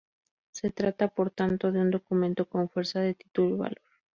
Se trata, por tanto, de un documento con fuerza de título valor.